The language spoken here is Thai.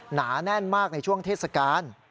หนาแน่นมากในช่วงเทศกาล